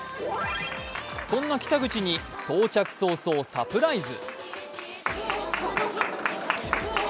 そんな北口に到着早々サプライズ。